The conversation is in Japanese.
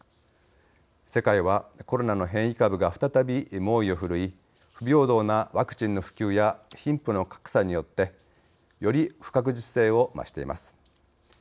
世界はコロナの変異株が再び猛威を振るい不平等なワクチンの普及や貧富の格差によってより不確実性を増しています。